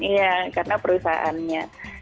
iya karena perusahaannya